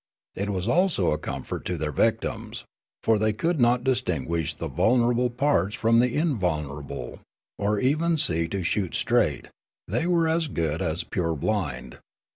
It was also a comfort to their victims ; for they could not distinguish the vulnerable parts from the invulnerable or even see to shoot straight ; they were as good as purblind.